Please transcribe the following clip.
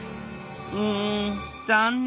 うん残念！